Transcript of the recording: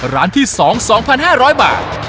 ร้านที่๒๒๕๐๐บาท